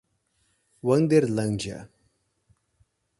Wanderlândia